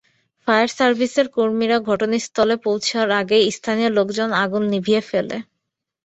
Fire সার্ভিসের কর্মীরা ঘটনাস্থলে পৌঁছার আগেই স্থানীয় লোকজন আগুন নিভিয়ে ফেলে।